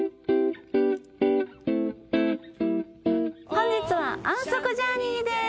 本日は安息ジャーニーです。